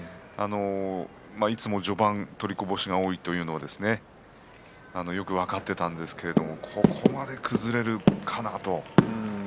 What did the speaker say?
いつも序盤取りこぼしが多いというのはよく分かっていたんですけれどここまで崩れるかなと。